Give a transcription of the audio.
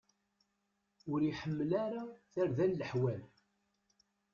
Ur iḥemmel ara tarda n leḥwal.